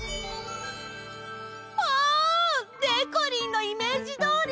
わあ！でこりんのイメージどおり！